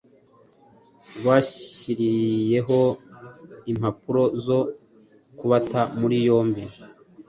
rwashyiriyeho impapuro zo kubata muri yombi